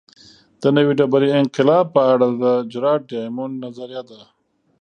د نوې ډبرې انقلاب په اړه د جراډ ډیامونډ نظریه ده